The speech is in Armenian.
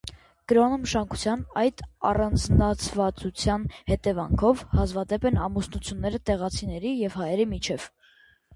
Կրոնամշակութային այդ առանձնացվածության հետևանքով հազվադեպ են ամուսնությունները տեղացիների և հայերի միջև։